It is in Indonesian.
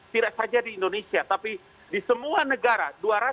tidak saja di indonesia tapi di semua negara